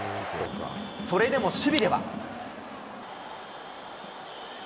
それでも守備では。